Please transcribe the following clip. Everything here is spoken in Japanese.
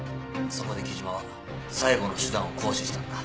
そこで貴島は最後の手段を行使したんだ。